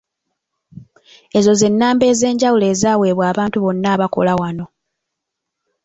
Ezo ze nnamba ez'enjawulo ezaweebwa abantu bonna abakola wano.